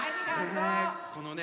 このね